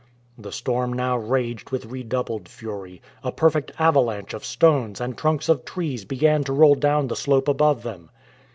The storm now raged with redoubled fury. A perfect avalanche of stones and trunks of trees began to roll down the slope above them.